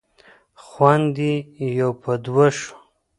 خوند یې یو په دوه شو.